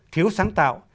thiếu sáng tạo